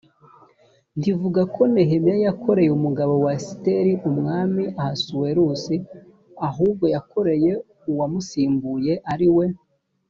ntivuga ko nehemiya yakoreye umugabo wa esiteri umwami ahasuwerusi ahubwo yakoreye uwamusimbuye ari we